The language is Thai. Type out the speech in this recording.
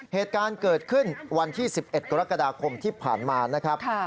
เหตุการณ์เกิดขึ้นวันที่๑๑กรกฎาคมที่ผ่านมานะครับ